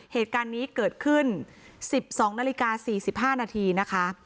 เหตุการณ์นี้เกิดขึ้น๑๒นาฬิกา๔๕นาทีนะคะ